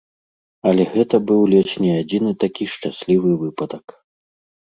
Але гэта быў ледзь не адзіны такі шчаслівы выпадак.